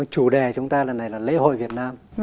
chủ đề chúng ta lần này là lễ hội việt nam